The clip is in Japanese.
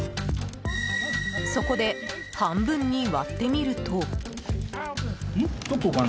そこで、半分に割ってみると。